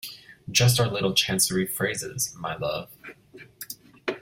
Just our little Chancery phrases, my love.